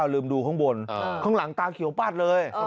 ลืมดูข้างบนข้างหลังตาเขียวปัดเลย